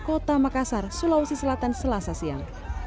kota makassar sulawesi selatan selasa siang